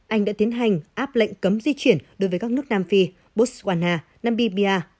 anh đã tiến hành áp lệnh cấm di chuyển đối với các nước nam phi botswana nambiia